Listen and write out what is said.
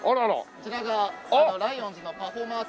こちらがライオンズのパフォーマーチームで。